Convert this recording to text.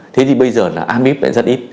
thế thì bây giờ là amip lại rất ít